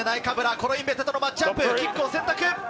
コロインベテとのマッチアップでキックを選択。